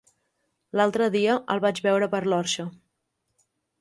L'altre dia el vaig veure per l'Orxa.